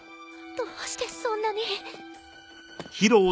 どうしてそんなに。